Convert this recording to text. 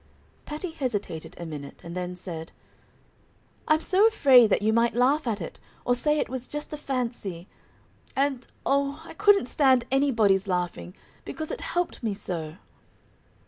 Patty hesitated a minute, and then said, "I'm so afraid that you might laugh at it, or say it was just a fancy; and, oh, I couldn't stand anybody's laughing, because it helped me so."